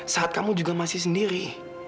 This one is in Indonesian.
saat kamu juga masih sendiri